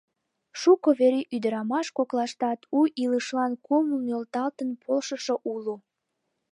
Шуко вере ӱдырамаш коклаштат у илышлан кумыл нӧлталтын полшышо уло.